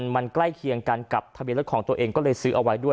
มันใกล้เคียงกันกับทะเบียนรถของตัวเองก็เลยซื้อเอาไว้ด้วย